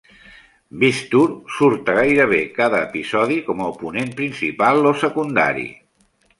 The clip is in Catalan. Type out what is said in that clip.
Beastur surt a gairebé cada episodi com a oponent principal o secundari.